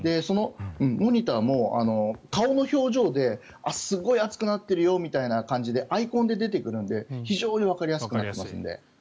モニターも顔の表情ですごい暑くなっているよみたいな感じでアイコンで出てくるので、非常にわかりやすくなってますので。